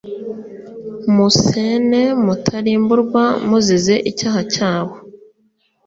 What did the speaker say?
Musene mutarimburwa muzize icyaha cyayo